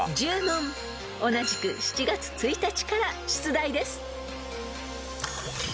［同じく７月１日から出題です］